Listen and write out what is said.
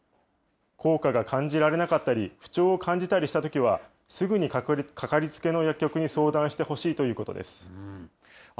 効果が感じられなかったり、不調を感じたりしたときは、すぐにかかりつけの薬局に相談してほしいということです。